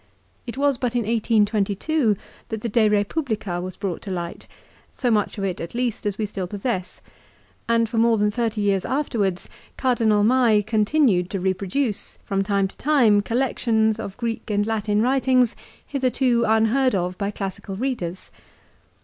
It was but in 1822 that the " De Eepublica " was brought to light, so much of it at least as we still possess ; and for more than thirty yeai afterwards Cardinal Mai continued to reproduce, from time time collections of Greek and Latin writings hitherto unheai of by classical readers.